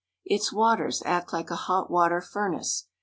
Its waters act like a hot water furnace.